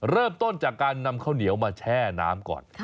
เริ่มต้นจากการนำข้าวเหนียวมาแช่น้ำก่อน